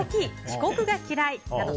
遅刻が嫌い！など